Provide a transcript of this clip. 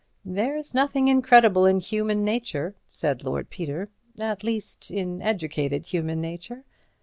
"There's nothing incredible in human nature," said Lord Peter; "at least, in educated human nature.